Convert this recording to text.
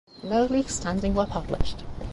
No league standing were published.